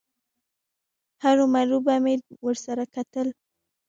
هرومرو به مې ورسره کتل.